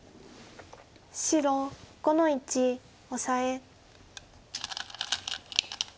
白５の一オサエ。